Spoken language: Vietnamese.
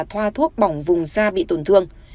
thoa thuốc bỏng vùng da bị tổn thương